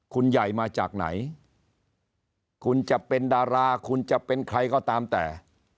คุณใหญ่มาจากไหนคุณจะเป็นดาราคุณจะเป็นใครก็ตามแต่